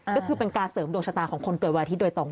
ก็คือเป็นการเสริมดวงชะตาของคนเกิดวันอาทิตย์โดยตรง